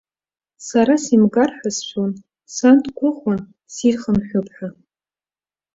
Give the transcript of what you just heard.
Сара симгар ҳәа сшәон, сан дгәыӷуан сирхынҳәып ҳәа.